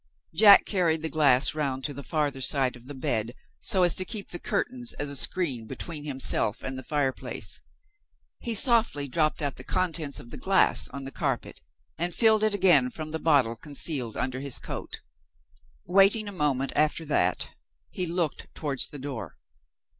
Jack carried the glass round to the farther side of the bed, so as to keep the curtains as a screen between himself and the fire place. He softly dropped out the contents of the glass on the carpet, and filled it again from the bottle concealed under his coat. Waiting a moment after that, he looked towards the door.